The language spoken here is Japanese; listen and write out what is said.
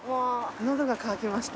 喉が渇きました。